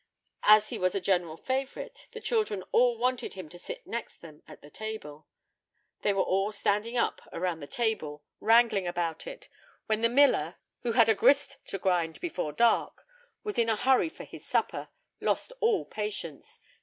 As he was a general favorite, the children all wanted him to sit next them at the table. They were all standing up around the table, wrangling about it, when the miller, who had a grist to grind before dark, and was in a hurry for his supper, lost all patience.